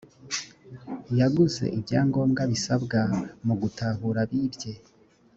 yaguze ibyangombwa bisabwa mu gutahura abibye.